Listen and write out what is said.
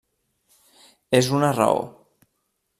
És una raó.